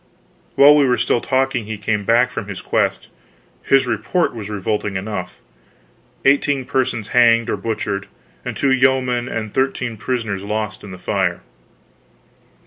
While we were still talking he came back from his quest. His report was revolting enough. Eighteen persons hanged or butchered, and two yeomen and thirteen prisoners lost in the fire.